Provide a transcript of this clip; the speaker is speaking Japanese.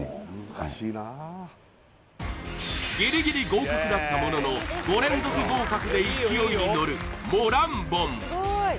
はいギリギリ合格だったものの５連続合格で勢いに乗るモランボン